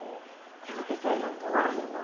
手分けせぇへんと終わらへんな。